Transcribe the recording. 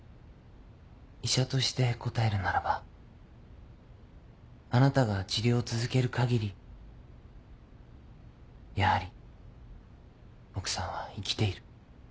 医者として答えるならばあなたが治療を続けるかぎりやはり奥さんは生きている。